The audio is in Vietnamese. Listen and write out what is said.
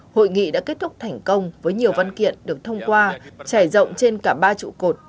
hội nghị đã kết thúc thành công với nhiều văn kiện được thông qua trải rộng trên cả ba trụ cột